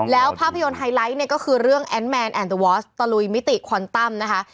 แล้วภาพยนตร์ไฮไลท์เนี่ยก็คือเรื่องแอนดแมนแอนเตอร์วอสตะลุยมิติควันตั้มนะคะ